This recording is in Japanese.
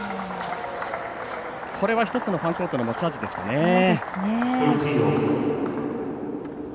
これは１つのファンコートの持ち味ですかね。